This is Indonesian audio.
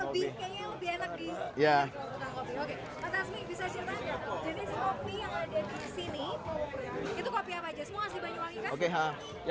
mas asmi bisa cerita jenis kopi yang ada di sini itu kopi apa aja